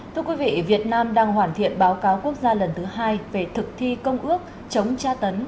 thưa quý vị việt nam đang hoàn thiện báo cáo quốc gia lần thứ hai về thực thi công ước chống tra tấn